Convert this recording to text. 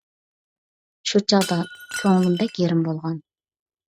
شۇ چاغدا كۆڭلۈم بەك يېرىم بولغان.